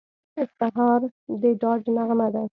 سهار د ډاډ نغمه ده.